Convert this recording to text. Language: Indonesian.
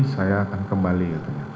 saya akan kembali